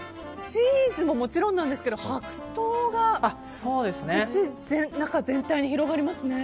チーズももちろんですが白桃が口の中全体に広がりますね。